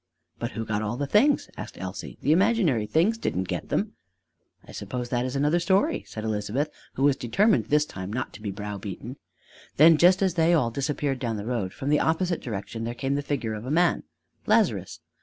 "But who got all the things?" asked Elsie. "The imaginary beings didn't get them." "I suppose that is another story," said Elizabeth, who was determined this time not to be browbeaten. "Then just as they all disappeared down the road, from the opposite direction there came the figure of a man Lazarus.